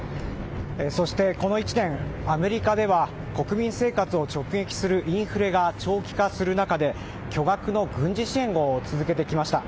そして、この１年アメリカでは国民生活を直撃するインフレが長期化する中で巨額の軍事支援を続けてきました。